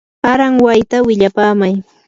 aranwayta willapamay.